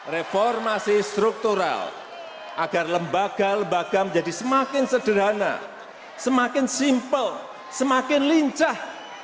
reformasi struktural agar lembaga lembaga menjadi semakin sederhana semakin simpel semakin lincah